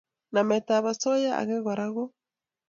Nametab osoya age Kora ko